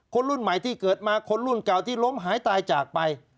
คนรุ่นใหม่ที่เกิดมาคนรุ่นเก่าที่ล้มหายตายจากไป